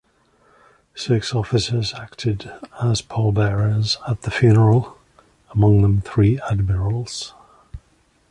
Six officers acted as pallbearers at the funeral, among them three admirals.